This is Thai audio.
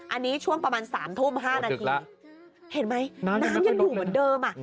อันนี้ช่วงประมาณ๓ทุ่ม๕นาทีเห็นไหมน้ำยังอยู่เหมือนเดิมอ่ะ